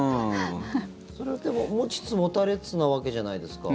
それは、でも持ちつ持たれつなわけじゃないですか。